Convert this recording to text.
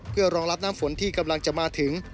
เพื่อรองรับน้ำฝนที่กำลังจะมาถึง